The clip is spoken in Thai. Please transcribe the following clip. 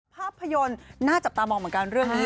ภาพยนตร์น่าจับตามองเหมือนกันเรื่องนี้